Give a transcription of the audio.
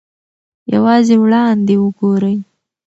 یوازې وړاندې وګورئ.